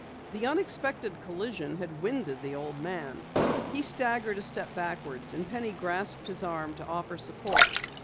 The unexpected collision had winded the old man. He staggered a step backwards and Penny grasped his arm to offer support.